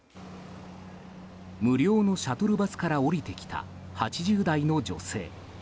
無料のシャトルバスから降りてきた８０代の女性。